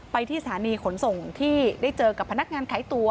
ที่สถานีขนส่งที่ได้เจอกับพนักงานขายตัว